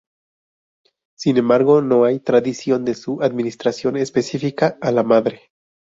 Sin embargo, no hay tradición de su administración específica a la madre.